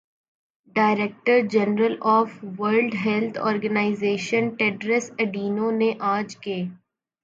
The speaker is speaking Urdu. director general of world health organization Tedros اڈینو نے آج کہ